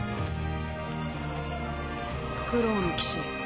フクロウの騎士茜